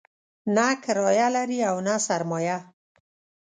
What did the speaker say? نه کرايه لري او نه سرمایه.